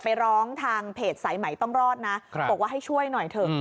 ไปร้องทางเพจสายใหม่ต้องรอดนะบอกว่าให้ช่วยหน่อยเถอะ